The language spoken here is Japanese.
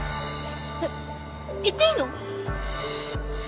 えっ行っていいの？